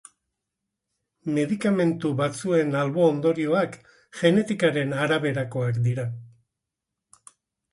Medikamentu batzuen albo ondorioak genetikaren araberakoak dira.